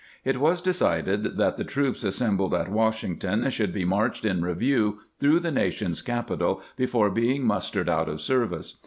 It was decided that the troops assembled at Washing ton should be marched in review through the nation's capital before being mustered out of service.